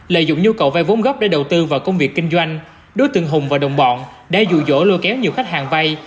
lợi dụng nhu cầu vay vốn góp để đầu tư vào công việc kinh doanh đối tượng hùng và đồng bọn đã dụ dỗ lôi kéo nhiều khách hàng vay